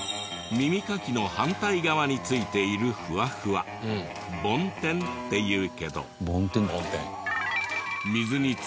耳かきの反対側に付いているフワフワ梵天っていうけど。